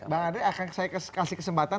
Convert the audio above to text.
bang andre akan saya kasih kesempatan